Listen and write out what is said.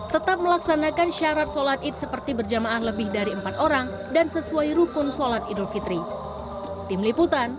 tetap melaksanakan syarat sholat id seperti berjamaah lebih dari empat orang dan sesuai rukun sholat idul fitri